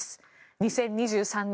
２０２３年